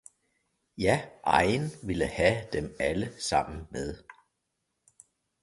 – ja egen ville have dem alle sammen med!